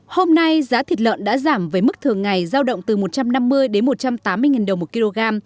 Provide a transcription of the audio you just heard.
hôm nay giá thịt lợn đã giảm với mức thường ngày giao động từ một trăm năm mươi đến một trăm tám mươi đồng một kg